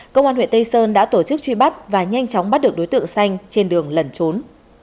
công an huyện tây sơn đã tổ chức truy bắt và nhanh chóng bắt được đối tượng xanh trên đường lẩn trốn